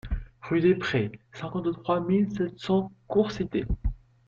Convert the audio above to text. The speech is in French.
Rue de Prés, cinquante-trois mille sept cents Courcité